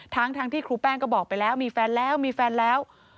ทั้งที่ครูแป้งก็บอกไปแล้วมีแฟนแล้วมีแฟนแล้ว